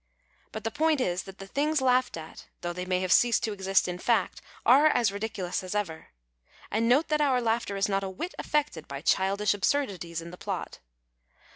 But the point is, that the things laughed at, though they may have ceased to exist in fact, are as ridiculous as ever. And note that our laughter is not a whit affected by childisli absurdities in the |)lot.